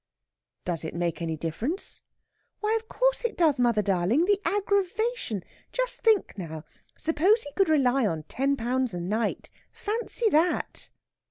"Does it make any difference?" "Why, of course it does, mother darling. The aggravation! Just think now! Suppose he could rely on ten pounds a night, fancy that!"